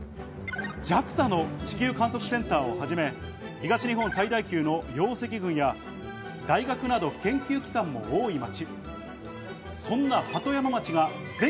その広大な土地には、ＪＡＸＡの地球観測センターをはじめ、東日本最大級の窯跡群や大学など、研究機関も多い町。